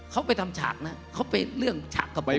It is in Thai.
เขาไปทำฉากนะเขาไปเรื่องฉากเข้าไป